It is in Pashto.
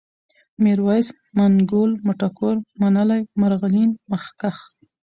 ميرويس ، منگول ، مټور ، منلی ، مرغلين ، مخکښ